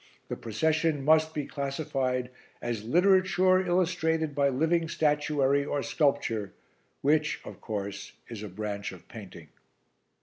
The procession must be classified as literature illustrated by living statuary, or sculpture, which, of course, is a branch of painting."